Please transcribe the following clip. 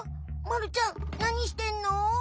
まるちゃん何してんの？